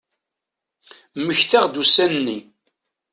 Mmektaɣ-d ussan-nni.